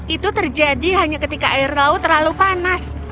itu terjadi hanya ketika air laut terlalu panas